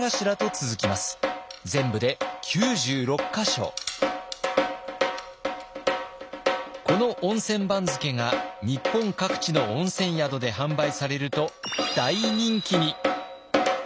全部でこの温泉番付が日本各地の温泉宿で販売されると大人気に！